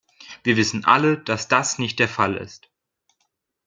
Wir wissen alle, dass das nicht der Fall ist.